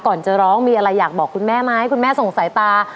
จะร้องมีอะไรอยากบอกคุณแม่ไหมคุณแม่ส่งสายตา